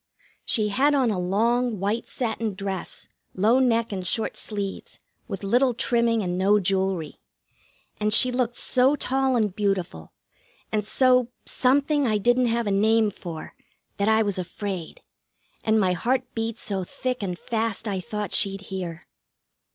She had on a long, white satin dress, low neck and short sleeves, with little trimming and no jewelry. And she looked so tall and beautiful, and so something I didn't have a name for, that I was afraid, and my heart beat so thick and fast I thought she'd hear.